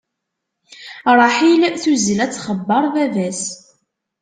Ṛaḥil tuzzel ad txebbeṛ baba-s.